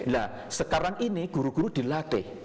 nah sekarang ini guru guru dilatih